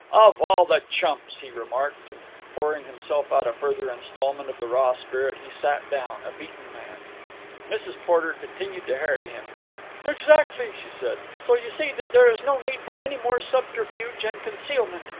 "Of all the chumps!" he remarked, and, pouring himself out a further instalment of the raw spirit, he sat down, a beaten man. Mrs. Porter continued to harry him. "Exactly," she said. "So you see that there is no need for any more subterfuge and concealment.